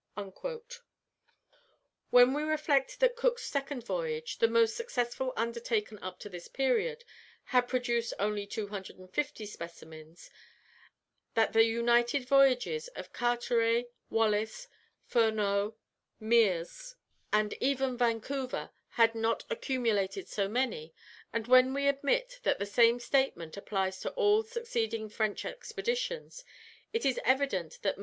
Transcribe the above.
When we reflect that Cook's second voyage, the most successful undertaken up to this period, had produced only 250 specimens; that the united voyages of Carteret, Wallis, Furneaux, Meares, and even Vancouver, had not accumulated so many, and when we admit that the same statement applies to all succeeding French expeditions, it is evident that MM.